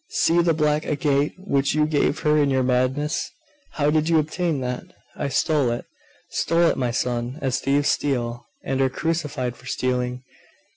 See the black agate which you gave her in your madness!' 'How did you obtain that?' 'I stole it stole it, my son; as thieves steal, and are crucified for stealing.